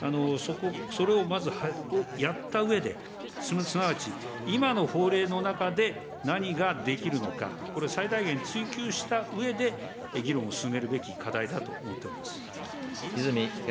それをまずやったうえで、すなわち今の法令の中で、何ができるのか、これ、最大限追及したうえで議論を進めるべき課題だと思っております。